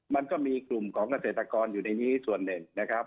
มันก็มีกลุ่มของเกษตรกรอยู่ในนี้ส่วนหนึ่งนะครับ